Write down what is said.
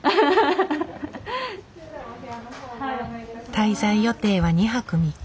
滞在予定は２泊３日。